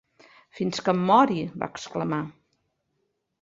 "Fins que em mori", va exclamar.